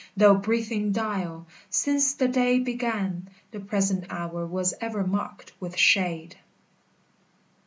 Thou breathing dial! since the day began The present hour was ever marked with shade!